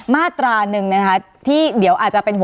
การแสดงความคิดเห็น